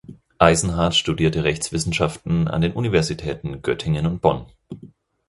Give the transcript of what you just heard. Eisenhardt studierte Rechtswissenschaften an den Universitäten Göttingen und Bonn.